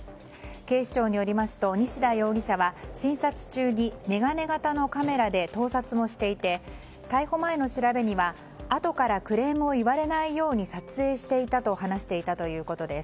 警視庁によりますと西田容疑者は診察中に眼鏡型のカメラで盗撮をしていて逮捕前の調べには、あとからクレームを言われないように撮影していたと話していたということです。